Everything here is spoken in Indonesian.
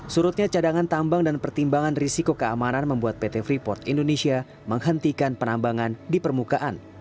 surutnya cadangan tambang dan pertimbangan risiko keamanan membuat pt freeport indonesia menghentikan penambangan di permukaan